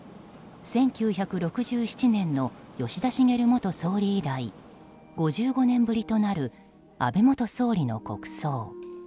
１９６７年の吉田茂元総理以来５５年ぶりとなる安倍元総理の国葬。